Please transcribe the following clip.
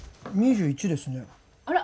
２１ですねあら！